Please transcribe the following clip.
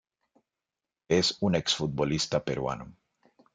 Es un ex-futbolista peruano.